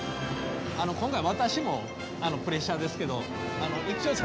今回私もプレッシャーですけど駅長さんも。